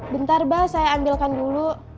bentar bah saya ambilkan dulu